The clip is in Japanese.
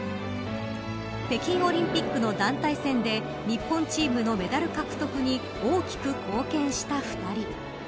北京オリンピックの団体戦で日本チームのメダル獲得に大きく貢献した２人。